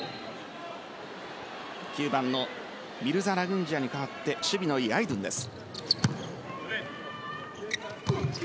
９番のミルザ・ラグンジヤに代わって守備のいいアイドゥンです。